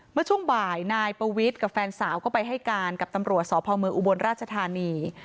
เมื่อช่วงบ่ายนายปวิทย์กับแฟนสาวก็ไปให้การกับตำรวจสพเมืองอุบลราชธานี